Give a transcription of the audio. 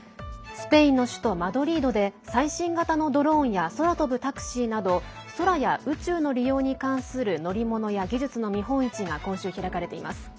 スペインの首都マドリードで最新型のドローンや空飛ぶタクシーなど空や宇宙の利用に関する乗り物や技術の見本市が今週、開かれています。